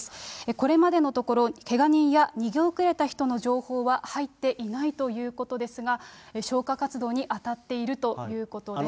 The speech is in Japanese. これまでのところ、けが人や逃げ遅れた人の情報は入っていないということですが、消火活動に当たっているということです。